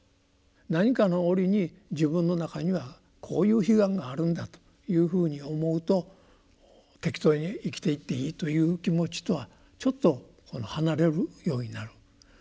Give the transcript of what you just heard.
何かの折に自分の中にはこういう悲願があるんだというふうに思うと適当に生きていっていいという気持ちとはちょっと離れるようになる。